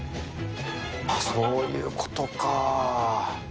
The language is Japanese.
そういうことか。